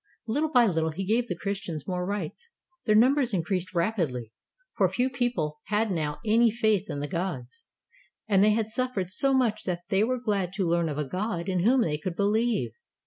Little by little he gave the Christians more rights. Their numbers increased rapidly, for few people had now any faith in the gods, and they had suffered so much that they were glad to learn of a God in whom they could believe.